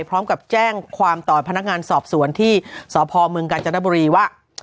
พร้อมกับแจ้งความต่อพนักงานสอบสวนที่สพเมืองกาญจนบุรีว่า